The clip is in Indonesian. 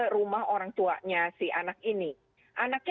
rumah orang tuanya si anak ini